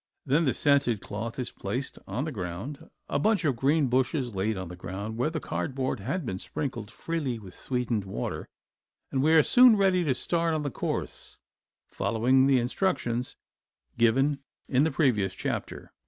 Then the scented cloth is placed on the ground, a bunch of green bushes laid on the spot where the cardboard had been sprinkled freely with sweetened water, and we are soon ready to start on the course, following the instructions given in previous chapter.